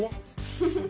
フフフ。